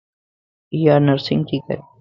ايانرسنگ تي ڪري